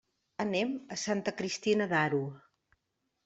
Anem a Santa Cristina d'Aro.